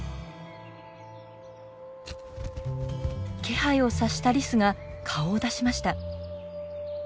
気配を察したリスが顔を出しました。